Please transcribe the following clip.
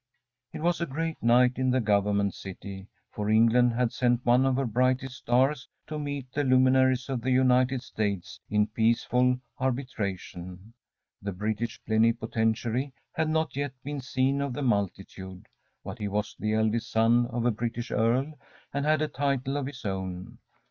It was a great night in the Government city, for England had sent one of her brightest stars to meet the luminaries of the United States in peaceful arbitration. The British Plenipotentiary had not yet been seen of the multitude but he was the eldest son of a British Earl, and had a title of his own.